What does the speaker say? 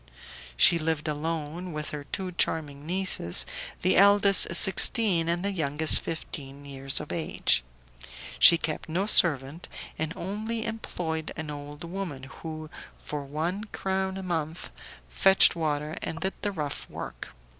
She lived alone with her two charming nieces, the eldest sixteen, and the youngest fifteen years of age. She kept no servant, and only employed an old woman, who, for one crown a month, fetched water, and did the rough work.